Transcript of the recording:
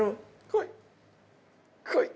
こい！